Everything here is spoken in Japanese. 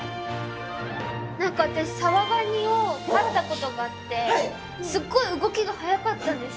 私サワガニを飼ったことがあってすっごい動きが速かったんです。